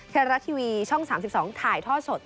ไทยรัฐทีวีช่อง๓๒ถ่ายท่อสด